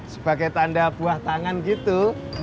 sebagai tanda buah tangan gitu